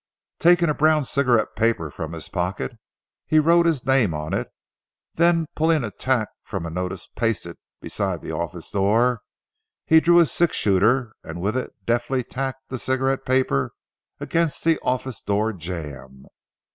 Taking a brown cigarette paper from his pocket, he wrote his name on it; then pulling a tack from a notice pasted beside the office door, he drew his six shooter, and with it deftly tacked the cigarette paper against the office door jamb.